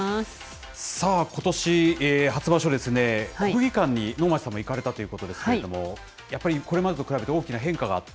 さあ、ことし初場所ですね、国技館に能町さんも行かれたということですけれども、やっぱりこれまでと比べて大きな変化があった？